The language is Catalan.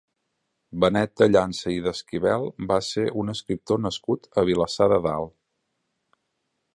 Benet de Llança i d'Esquivel va ser un escriptor nascut a Vilassar de Dalt.